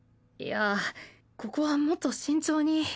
いやここはもっと慎重に。